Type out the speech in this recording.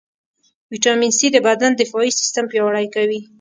ويټامين C د بدن دفاعي سیستم پیاوړئ کوي.